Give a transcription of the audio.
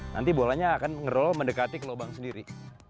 nanti bolanya akan ngerol mendekati ke lubang sendiri